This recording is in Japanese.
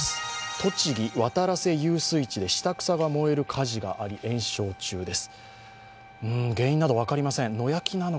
栃木、渡良瀬遊水地で下草が燃える火事があり延焼中です。